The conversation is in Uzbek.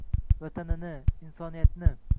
Vatanini, insoniyatni